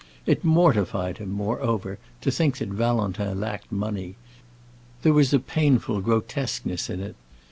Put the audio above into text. It mortified him, moreover, to think that Valentin lacked money; there was a painful grotesqueness in it.